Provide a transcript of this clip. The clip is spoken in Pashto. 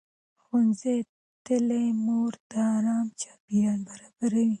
ښوونځې تللې مور د ارام چاپېریال برابروي.